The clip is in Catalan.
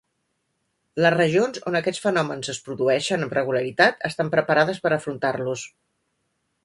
Les regions on aquests fenòmens es produeixen amb regularitat estan preparades per afrontar-los.